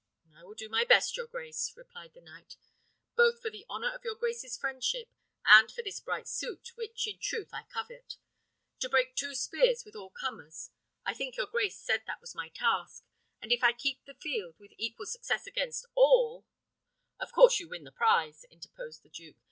"I will do my best, your grace," replied the knight, "both for the honour of your grace's friendship, and for this bright suit, which in truth I covet. To break two spears with all comers? I think your grace said that was my task. And if I keep the field with equal success against all " "Of course you win the prize," interposed the duke.